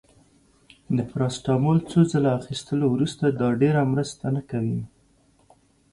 د پاراسټامول څو ځله اخیستلو وروسته، دا ډیره مرسته نه کوي.